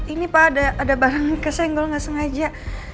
ini pak ada barang kesenggol gak sengaja